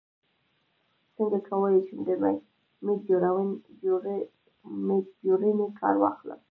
څنګه کولی شم د میډجورني کار واخلم